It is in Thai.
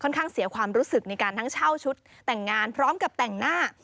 ข้างเสียความรู้สึกในการทั้งเช่าชุดแต่งงานพร้อมกับแต่งหน้า